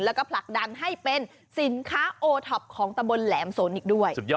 แล้วก็ผลักดันให้เป็นสินค้าโอท็อปของตะบนแหลมสนอีกด้วย